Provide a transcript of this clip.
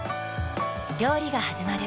料理がはじまる。